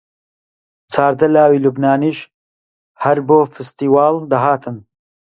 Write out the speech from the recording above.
چاردە لاوی لوبنانیش هەر بۆ فستیواڵ دەهاتن